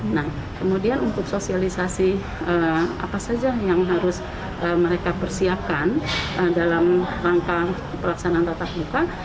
nah kemudian untuk sosialisasi apa saja yang harus mereka persiapkan dalam rangka pelaksanaan tatap muka